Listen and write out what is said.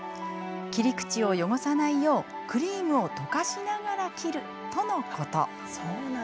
切り口を汚さないようクリームを溶かしながら切るとのこと。